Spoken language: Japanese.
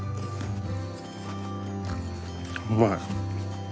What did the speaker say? うまい。